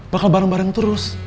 bakal bareng bareng terus